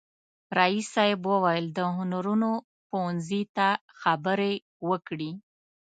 رئیس صاحب وویل د هنرونو پوهنځي ته خبرې وکړي.